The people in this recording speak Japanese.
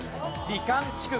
美観地区。